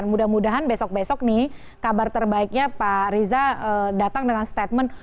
mudah mudahan besok besok nih kabar terbaiknya pak riza datang dengan statement